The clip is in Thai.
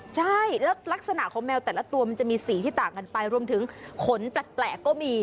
ใช่แล้วลักษณะของแมวแต่ละตัวมันจะมีสีที่ต่างกันไปรวมถึงขนแปลกก็มี